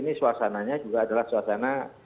ini suasananya juga adalah suasana